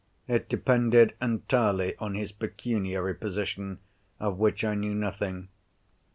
It depended entirely on his pecuniary position, of which I knew nothing.